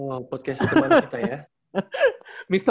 oh podcast teman kita ya